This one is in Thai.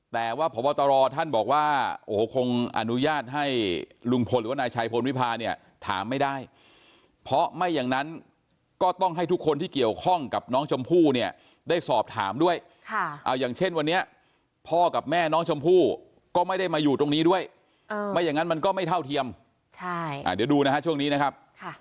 แต่ว่าพบตรท่านบอกว่าโอ้โหคงอนุญาตให้ลุงพลหรือว่านายชัยพลวิพาเนี่ยถามไม่ได้เพราะไม่อย่างนั้นก็ต้องให้ทุกคนที่เกี่ยวข้องกับน้องชมพู่เนี่ยได้สอบถามด้วยเอาอย่างเช่นวันนี้พ่อกับแม่น้องชมพู่ก็ไม่ได้มาอยู่ตรงนี้ด้วยไม่อย่างนั้นมันก็ไม่เท่าเทียมเดี๋ยวดูนะฮะช่วงนี้นะครับ